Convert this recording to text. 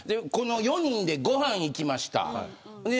この４人でご飯いきました